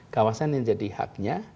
kawasan yang jadi haknya